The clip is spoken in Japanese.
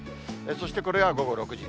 そしてこれが午後６時。